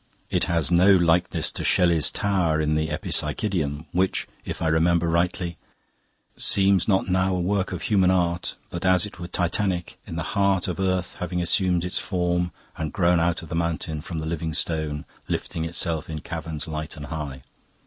It has no likeness to Shelley's tower, in the 'Epipsychidion,' which, if I remember rightly " "'Seems not now a work of human art, But as it were titanic, in the heart Of earth having assumed its form and grown Out of the mountain, from the living stone, Lifting itself in caverns light and high.